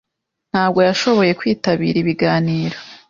Ntabwo yashoboye kwitabira ibiganiro.